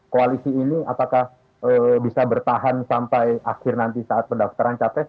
koalisi ini apakah bisa bertahan sampai akhir nanti saat pendaftaran capres